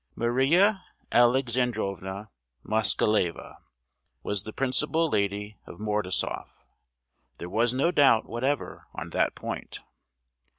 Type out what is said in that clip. Maria Alexandrovna Moskaleva was the principal lady of Mordasoff—there was no doubt whatever on that point!